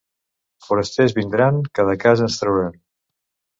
Forasters vindran, que de casa ens trauran.